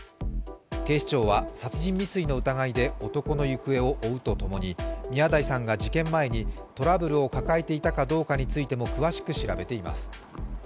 警視庁は殺人未遂の疑いで男の行方を追うとともに宮台さんが事件前にトラブルを抱えていたかどうかについても詳しく調べています。